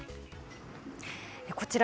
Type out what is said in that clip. こちら